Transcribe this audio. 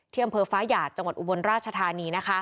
อำเภอฟ้าหยาดจังหวัดอุบลราชธานี